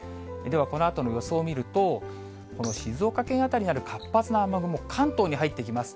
ではこのあとの予想を見ると、静岡県辺りにある活発な雨雲、関東に入ってきます。